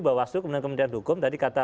bawaslu kemudian kementerian hukum tadi kata